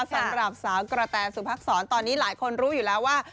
สำหรับสาวกระแตสุพักษรตอนนี้หลายคนรู้อยู่แล้วว่า